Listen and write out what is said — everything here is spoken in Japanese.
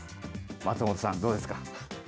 松本さん、どうですか。